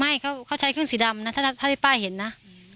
ไม่เขาใช้เครื่องสีดำนะถ้าภาพที่ป้าเห็นนะ